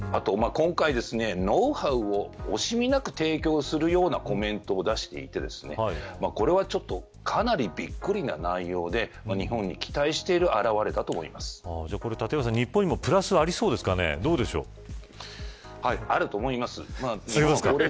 今回ノウハウを惜しみなく提供するようなコメントを出していてこれはかなりびっくりな内容で日本に期待している表れだと日本にもあると思います。